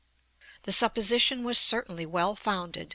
] The supposition was certainly well founded.